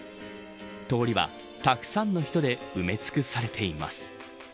通りはたくさんの人で埋め尽くされています。